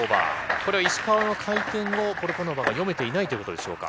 これは石川の回転を、ポルカノバが読めていないということでしょうか。